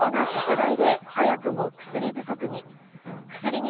コロナ拡大で早くも薬不足に。